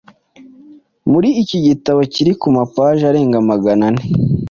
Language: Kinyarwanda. Muri iki gitabo kiri ku mapaji arenga maganane